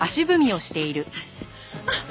あっ！